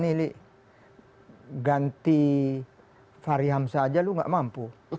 ini ganti fahri hamsa saja lu nggak mampu